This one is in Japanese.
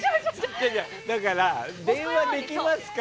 だから、電話できますか？